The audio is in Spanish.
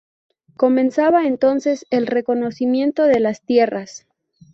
Comenzaba, entonces, el reconocimiento de las tierras.